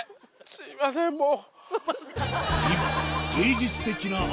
すいませんもう。